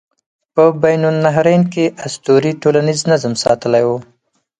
په بین النهرین کې اسطورې ټولنیز نظم ساتلی و.